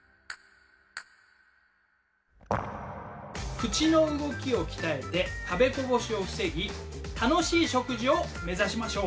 口の動きを鍛えて食べこぼしを防ぎ楽しい食事を目指しましょう。